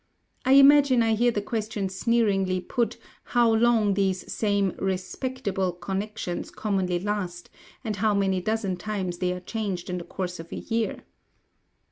I imagine I hear the question sneeringly put, how long these same respectable connections commonly last, and how many dozen times they are changed in the course of a year.